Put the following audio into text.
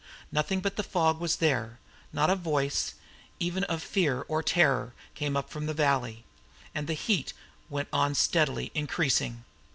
Nothing but the fog was there not a voice, even of fear or terror, came up from the valley. And the heat went on steadily increasing.